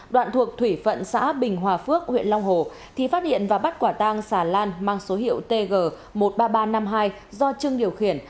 đoạn thuộc thủy phận xã bình hòa phước huyện long hồ thì phát hiện và bắt quả tang xà lan mang số hiệu tg một mươi ba nghìn ba trăm năm mươi hai do trương điều khiển